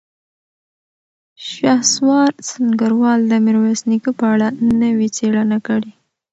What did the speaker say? شهسوار سنګروال د میرویس نیکه په اړه نوې څېړنه کړې.